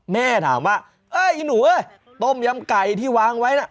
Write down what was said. แม่ถามว่าเอ้ยอีหนูเอ้ยต้มยำไก่ที่วางไว้น่ะ